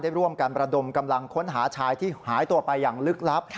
ร่วมกันประดมกำลังค้นหาชายที่หายตัวไปอย่างลึกลับ